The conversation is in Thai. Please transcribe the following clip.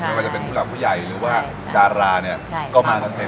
ไม่ว่าจะเป็นผู้รักผู้ใหญ่หรือว่าจาราก็มาเต็มเลย